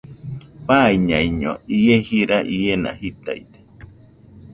Faiñaño, ie jira iena jitaide